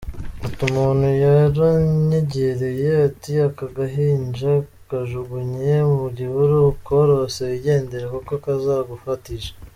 Ati “ Umuntu yaranyegereye ati “Aka gahinja kajugunye mu gihuru , ukorose wigendere kuko kazagufatisha.